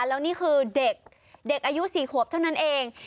แล้วนี่คือเด็กเด็กอายุ๔ขวบเท่านั้นเอง